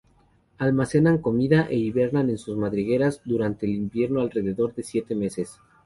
Almacenan comida, e hibernan en sus madrigueras durante el invierno alrededor de siete meses...